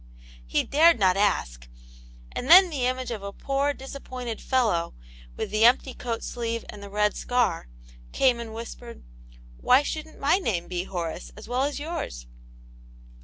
^ He dared not ask ; and then the image of a poor, disap pointed fellow, with the empty coat sleeve and the r«d scar, came and whispered, " Why shouldn't my name be Horace, as well as yours